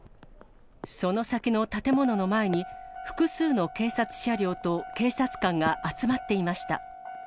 その先の建物の前に、複数の警察車両と警察官が集まっていました。